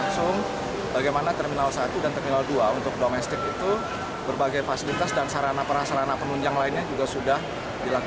kenaikan airport tax ditanggapi beragam oleh para pengguna jasa